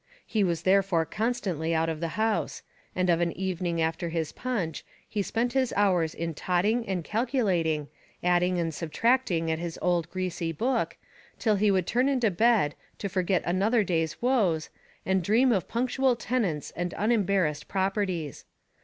He was therefore constantly out of the house; and of an evening after his punch, he spent his hours in totting and calculating, adding and subtracting at his old greasy book, till he would turn into bed, to forget another day's woes, and dream of punctual tenants and unembarrassed properties.